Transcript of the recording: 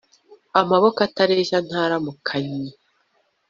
amaboko atareshya ntaramukanyi